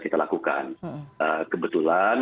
kita lakukan kebetulan